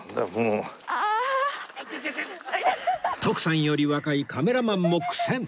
徳さんより若いカメラマンも苦戦